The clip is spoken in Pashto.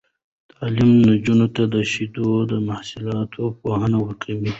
تعلیم نجونو ته د شیدو محصولاتو پوهه ورکوي.